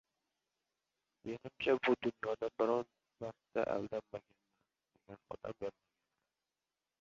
— Menimcha bu dunyoda biron marta aldanmaganman, degan odam yolg‘on gapiradi.